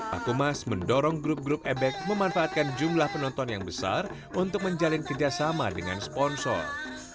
pakumas mendorong grup grup ebek memanfaatkan jumlah penonton yang besar untuk menjalin kerjasama dengan sponsor